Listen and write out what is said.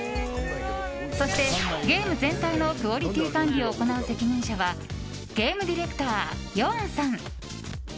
そして、ゲーム全体のクオリティー管理を行う責任者はゲームディレクター、ヨアンさん。